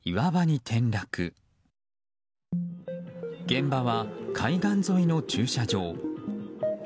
現場は海岸沿いの駐車場。